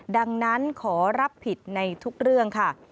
ดังนั้นขอรับผิดในทุกเรื่องค่ะ